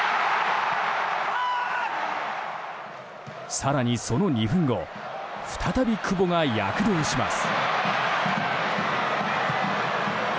更にその２分後再び久保が躍動します。